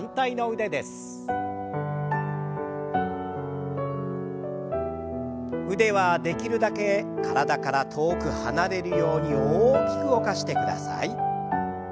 腕はできるだけ体から遠く離れるように大きく動かしてください。